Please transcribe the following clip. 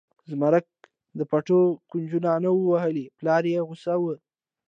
زمرک د پټي کونجونه نه و وهلي پلار یې غوسه و.